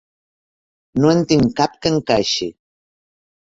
No en tinc cap que encaixi.